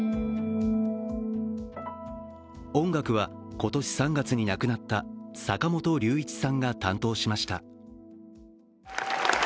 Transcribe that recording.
音楽は今年３月に亡くなった坂本龍一さんが担当しました。